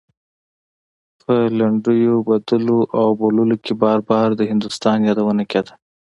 په لنډيو بدلو او بوللو کې بار بار د هندوستان يادونه کېده.